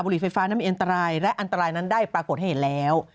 หลีไฟฟ้านั้นมีอันตรายและอันตรายนั้นได้ปรากฏให้เห็นแล้ว